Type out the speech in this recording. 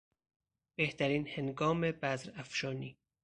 بهترین هنگام بذر افشانی